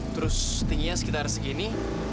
terus tingginya sekitar segini